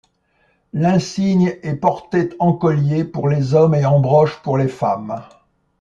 L’insigne est porté en collier pour les hommes et en broche pour les femmes.